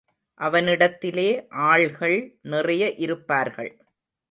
அவனிடத்திலே ஆள்கள் நிறைய இருப்பார்கள்.